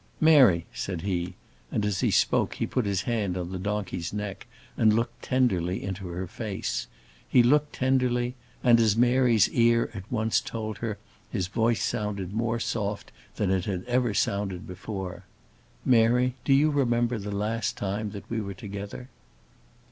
"Mary!" said he, and as he spoke he put his hand on the donkey's neck, and looked tenderly into her face. He looked tenderly, and, as Mary's ear at once told her, his voice sounded more soft than it had ever sounded before. "Mary, do you remember the last time that we were together?"